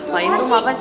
fahim lu ngapain sih